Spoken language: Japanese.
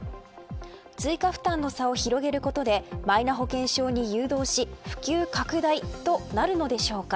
追加負担の差を広げることでマイナ保険証に誘導し普及拡大となるのでしょうか。